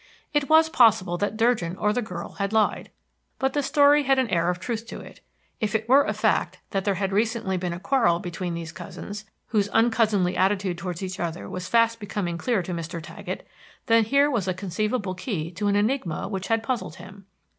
It was possible that Durgin or the girl had lied; but the story had an air of truth to it. If it were a fact that there had recently been a quarrel between these cousins, whose uncousinly attitude towards each other was fast becoming clear to Mr. Taggett, then here was a conceivable key to an enigma which had puzzled him.